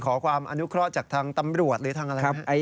ขอความอนุเคราะห์จากทางตำรวจหรือทางอะไรครับ